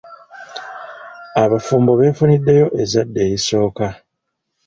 Abafumbo beefuniddeyo ezzadde erisooka.